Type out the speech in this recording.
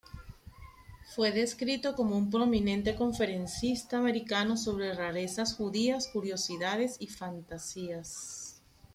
Fue descrito como un "prominente conferencista americano sobre rarezas judías, curiosidades y fantasías".